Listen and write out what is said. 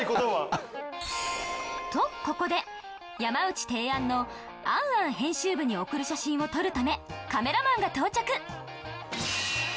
とここで山内提案の『ａｎａｎ』編集部に送る写真を撮るためカメラマンが到着！